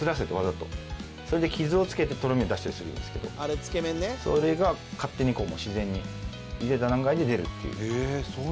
それで傷をつけてとろみを出したりするんですけどそれが勝手にこう自然に茹でた段階で出るっていう。